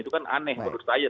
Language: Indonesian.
itu kan aneh menurut saya